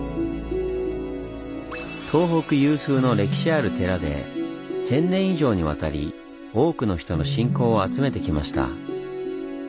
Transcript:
東北有数の歴史ある寺で１，０００年以上にわたり多くの人の信仰を集めてきました。